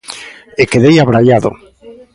E quedei abraiado.